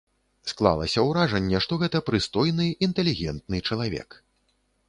Склалася ўражанне, што гэта прыстойны інтэлігентны чалавек.